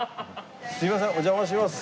すいませんお邪魔します。